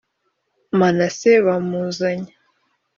Manase bamuzanye